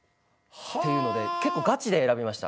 ていうので結構がちで選びました。